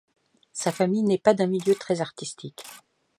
Sa famille n'est pas d'un milieu très artistique.